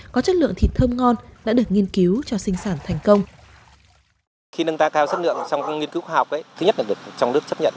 có chất lượng thịt thơm ngon đã được nghiên cứu cho sinh sản thành công